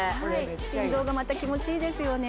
振動がまた気持ちいいですよね